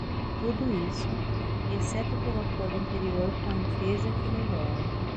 Tudo isso, exceto pelo acordo anterior com a empresa que o melhora.